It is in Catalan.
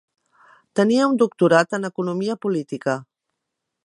Tenia un doctorat en economia política.